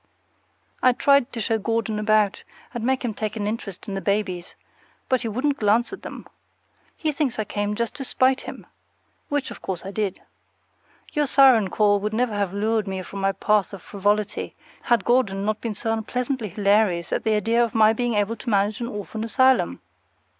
I tried to show Gordon about and make him take an interest in the babies, but he wouldn't glance at them. He thinks I came just to spite him, which, of course, I did. Your siren call would never have lured me from the path of frivolity had Gordon not been so unpleasantly hilarious at the idea of my being able to manage an orphan asylum.